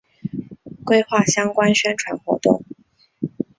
规划相关宣传活动